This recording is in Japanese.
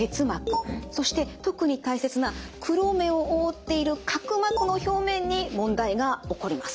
そして特に大切な黒目を覆っている角膜の表面に問題が起こります。